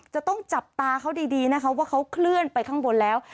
จะต้องจับตาเขาดีนะคะว่าเขาเคลื่อนไปข้างบนแล้ว